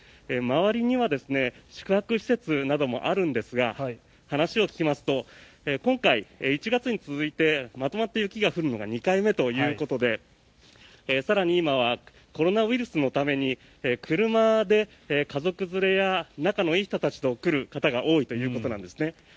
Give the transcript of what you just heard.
周りには宿泊施設などもあるんですが話を聞きますと今回、１月に続いてまとまった雪が降るのが２回目ということで更に今はコロナウイルスのために車で家族連れや仲のいい人たちと来る方が多いということです。